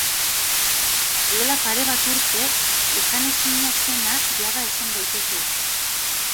Duela pare bat urte esanezina zena, jada esan daiteke.